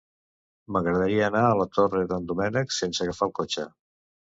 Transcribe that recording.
M'agradaria anar a la Torre d'en Doménec sense agafar el cotxe.